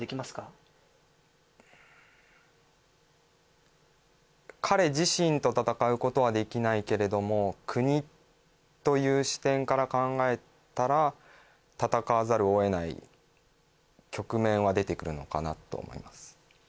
うん彼自身と戦うことはできないけれども国という視点から考えたら戦わざるをえない局面は出てくるのかなと思います